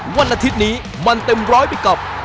วันอาทิตย์นี้มันเต็มร้อยไปกับ